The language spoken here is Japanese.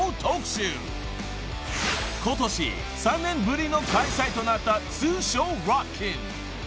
［ことし３年ぶりの開催となった通称ロッキン］